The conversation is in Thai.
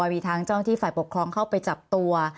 มีทางเจ้าหน้าที่ฝ่ายปกครองเข้าไปจับตัว